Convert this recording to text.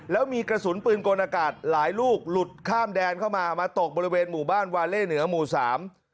แล้วมีกระสุนปืนกลอากาศหลายลูกหลุดข้ามแดนเข้ามามาตกบริเวณหมู่บ้านวาเล่เหนือหมู่สาม